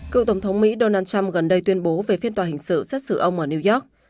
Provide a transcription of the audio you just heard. cựu tổng thống mỹ donald trump gần đây tuyên bố về phiên tòa hình sự xét xử ông ở new york